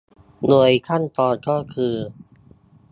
โดยขั้นตอนก็คือ